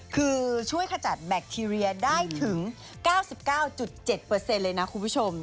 คือช่วยขจัดแบคทีเรียได้ถึง๙๙๗เลยนะคุณผู้ชม